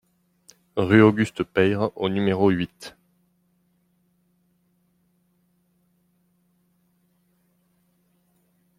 Rue Auguste Peyre au numéro huit